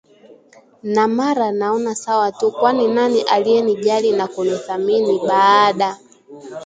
na mara naona sawa tu kwani nani aliyenijali na kunithamini baada